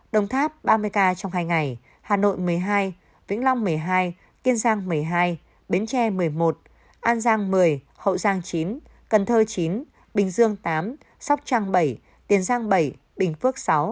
đồng tháp ba mươi ca trong hai ngày hà nội một mươi hai vĩnh long một mươi hai kiên giang một mươi hai bến tre một mươi một an giang một mươi hậu giang chín cần thơ chín bình dương viii sóc trăng bảy tiền giang bảy bình phước sáu